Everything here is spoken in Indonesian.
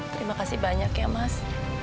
terima kasih banyak ya mas